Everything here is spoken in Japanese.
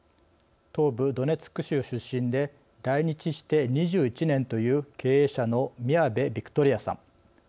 東部ドネツク州出身で来日して２１年という、経営者のミヤベ・ヴィクトリアさん。